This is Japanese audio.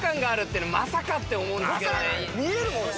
見えるもんね。